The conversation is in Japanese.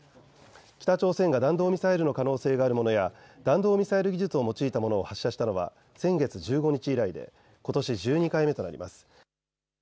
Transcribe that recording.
北朝鮮が弾道ミサイルの可能性があるものや弾道ミサイル技術を用いたものを発射したのは先月１５日以来でことし１２回目となります。